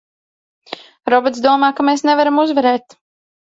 Robots domā, ka mēs nevaram uzvarēt!